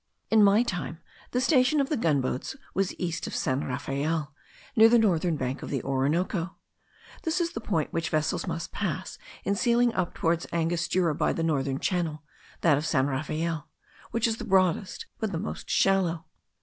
In my time the station of the gun boats was east of San Rafael, near the northern bank of the Orinoco. This is the point which vessels must pass in sailing up toward Angostura by the northern channel, that of San Rafael, which is the broadest but the most shallow.